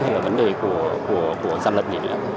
hay là vấn đề của giam lật gì nữa